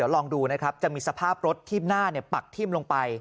ลองดูนะครับจะมีสภาพรถที่หน้าปักทิ่มลงไป